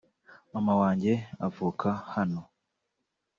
Maman wanjye avuka hano